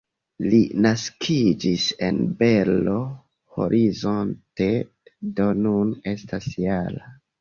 Li naskiĝis en Belo Horizonte, do nun estas -jara.